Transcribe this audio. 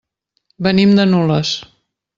Venim de Nules.